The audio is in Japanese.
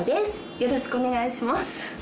よろしくお願いします。